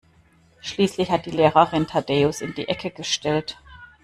Schließlich hat die Lehrerin Thaddäus in die Ecke gestellt.